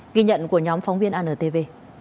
ghi nhận của nhóm phóng viên antv